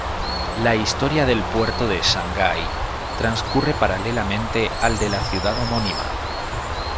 La historia del puerto de Shanghái transcurre paralelamente al de la ciudad homónima.